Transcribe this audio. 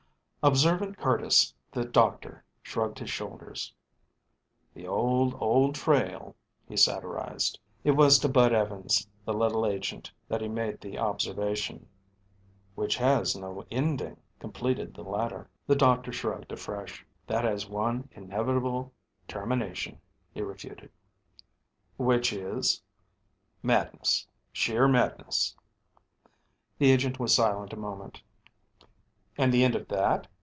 Observant Curtis, the doctor, shrugged his shoulders. "The old, old trail," he satirized. It was to Bud Evans, the little agent, that he made the observation. "Which has no ending," completed the latter. The doctor shrugged afresh. "That has one inevitable termination," he refuted. "Which is " "Madness sheer madness." The agent was silent a moment. "And the end of that?"